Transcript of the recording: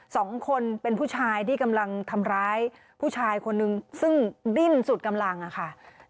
สองคนเป็นผู้ชายที่กำลังทำร้ายผู้ชายคนนึงซึ่งดิ้นสุดกำลังอะค่ะ